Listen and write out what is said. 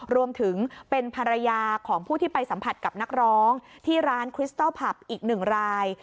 รวมถึงเป็นภรรยาของผู้ที่ไปสัมผัสกับนักร้องที่ร้านคริสตัลผับอีกหนึ่งราย